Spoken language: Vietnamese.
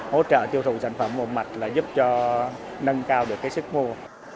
hỗ trợ tiêu thụ sản phẩm một mạch là giúp cho nâng cao được sức mua